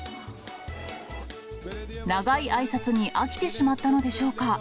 長いあいさつに飽きてしまったのでしょうか。